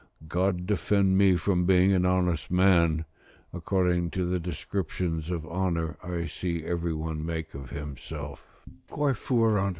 God defend me from being an honest man, according to the descriptions of honour I daily see every one make of himself: "Quae fuerant vitia, mores sunt."